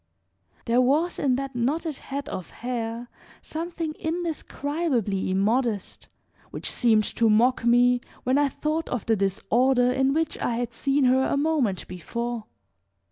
There was in that knotted head of hair something indescribably immodest which seemed to mock me when I thought of the disorder in which I had seen her a moment before.